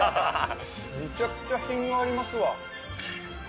めちゃくちゃ品がありますわ。